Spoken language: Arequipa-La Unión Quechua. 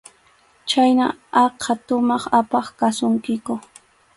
Chhayna aqha tumaq apaq kasunkiku.